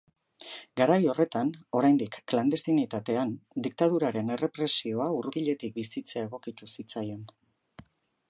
Garai horretan, oraindik klandestinitatean, diktaduraren errepresioa hurbiletik bizitzea egokitu zitzaion.